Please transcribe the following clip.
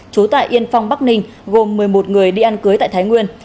trú tại yên phong bắc ninh gồm một mươi một người đi ăn cưới tại thái nguyên